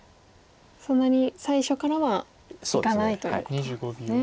そんなに最初からはいかないということなんですね。